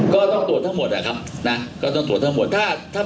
ก็ต้องตรวจทั้งหมดนะครับนะก็ต้องตรวจทั้งหมด